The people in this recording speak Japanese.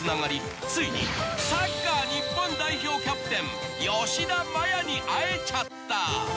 ついにサッカー日本代表キャプテン吉田麻也に会えちゃった］